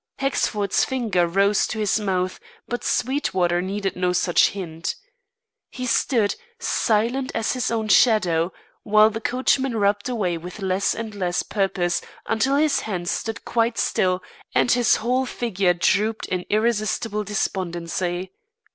Hexford's finger rose to his mouth, but Sweetwater needed no such hint. He stood, silent as his own shadow, while the coachman rubbed away with less and less purpose, until his hands stood quite still and his whole figure drooped in irresistible despondency.